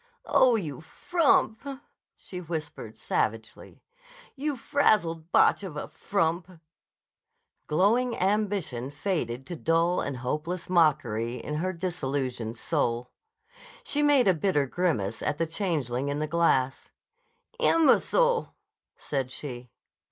"Oh, you frump!" she whispered savagely. "You frazzled botch of a frump!" Glowing ambition faded to dull and hopeless mockery in her disillusioned soul. She made a bitter grimace at the changeling in the glass. "Imbecile!" said she.